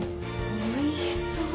おいしそう